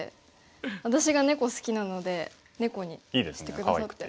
私がネコ好きなのでネコにして下さって。